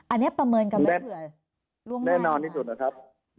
อันนี้ประเมินกันไหมเผื่อล่วงหน้า